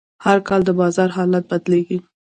هر کال د بازار حالت بدلېږي.